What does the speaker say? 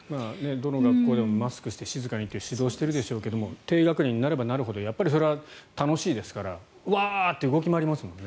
どの学校でもマスクをして静かにと指導をしているでしょうけど低学年になればなるほどそれは楽しいですからワーッて動き回りますもんね。